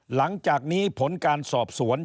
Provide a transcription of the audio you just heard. หลังจากนี้ผลการสอบสวน